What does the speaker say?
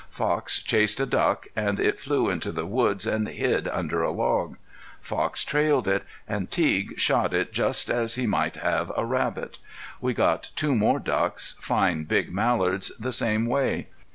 Fox chased a duck, and it flew into the woods and hid under a log. Fox trailed it, and Teague shot it just as he might have a rabbit. We got two more ducks, fine big mallards, the same way.